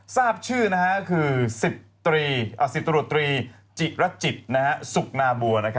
ทราบชื่อคือ๑๐ตำรวจตรีจิรจิตสุขนาบัว